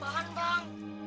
ya yaudahlah bang